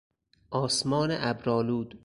آسمان ابرآلود